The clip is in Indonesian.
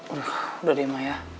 udah deh emang ya